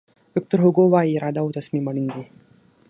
ویکتور هوګو وایي اراده او تصمیم اړین دي.